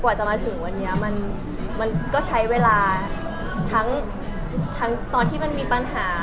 จะมาถึงวันนี้มันก็ใช้เวลาทั้งตอนที่มันมีปัญหา